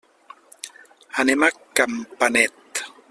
Anem a Campanet.